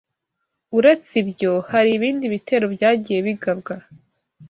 Uretse ibyo, hari ibindi bitero byagiye bigabwa